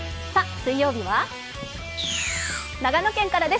水曜日は長野県からです。